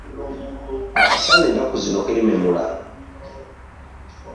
akasana ennaku zino keememula!